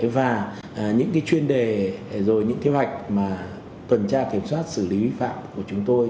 và những cái chuyên đề rồi những thiếu hạch mà tuần tra kiểm soát xử lý vi phạm của chúng tôi